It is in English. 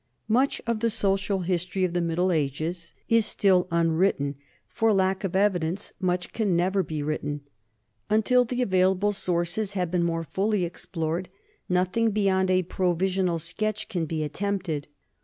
Much of the social history of the Middle Ages NORMAN LIFE AND CULTURE 149 is still unwritten; for lack of evidence much can never be written. Until the available sources have been more fully explored, nothing beyond a provisional sketch can be attempted.